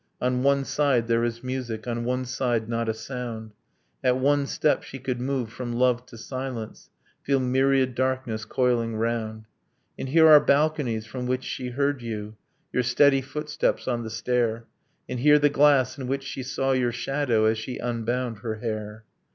On one side there is music On one side not a sound. At one step she could move from love to silence, Feel myriad darkness coiling round. And here are balconies from which she heard you, Your steady footsteps on the stair. And here the glass in which she saw your shadow As she unbound her hair.